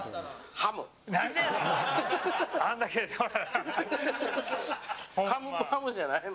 ハムじゃないの？